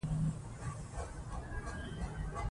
ډاکټره همدا وايي.